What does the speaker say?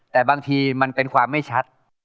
แต่บางทีมันเป็นความไม่ชัด